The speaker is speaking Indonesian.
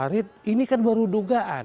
palu arit ini kan baru dugaan